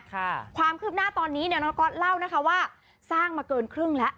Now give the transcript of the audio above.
ความคืบหน้าตอนนี้เนี่ยน้องก๊อตเล่านะคะว่าสร้างมาเกินครึ่งแล้ว